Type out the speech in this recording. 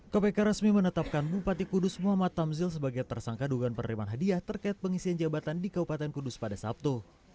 kpk resmi menetapkan bupati kudus muhammad tamzil sebagai tersangka dugaan penerimaan hadiah terkait pengisian jabatan di kabupaten kudus pada sabtu